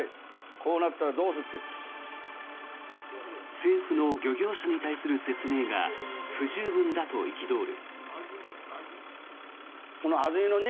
政府の漁業者に対する説明が不十分だと憤る。